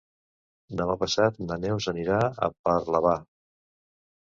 Demà passat na Neus anirà a Parlavà.